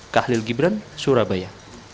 kah lil gibran surabaya